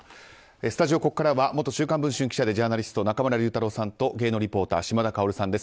スタジオ、ここからは元「週刊文春」記者でジャーナリスト中村竜太郎さんと芸能リポーター、島田薫さんです。